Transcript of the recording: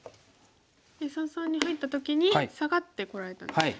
三々に入った時にサガってこられたんでしたっけ。